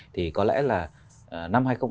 thì có lẽ là năm hai nghìn một mươi ba